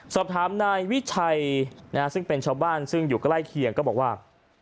สอบถามนายวิชัยซึ่งเป็นชาวบ้านซึ่งอยู่ใกล้เคียงก็บอกว่า